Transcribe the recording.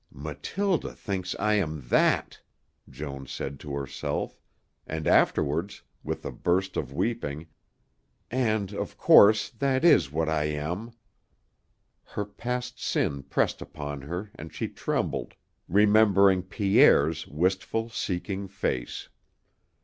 "Mathilde thinks I am that!" Joan said to herself; and afterwards, with a burst of weeping, "And, of course, that is what I am." Her past sin pressed upon her and she trembled, remembering Pierre's wistful, seeking face.